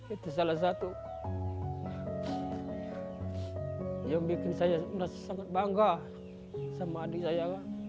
itu salah satu yang bikin saya merasa sangat bangga sama adik saya